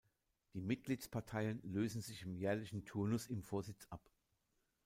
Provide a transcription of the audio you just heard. Die Mitgliedsparteien lösen sich im jährlichen Turnus im Vorsitz ab.